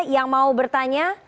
yang mau bertanya